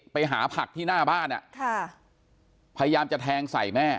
ไปหาผักที่หน้าบ้านพยายามจะแทงใส่แม่